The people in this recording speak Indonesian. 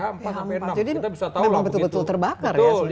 jadi memang betul betul terbakar ya sebenarnya